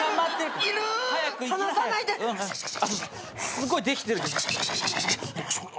すっごいできてる。